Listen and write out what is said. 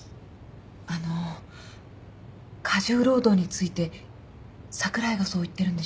あの過重労働について櫻井がそう言ってるんでしょうか？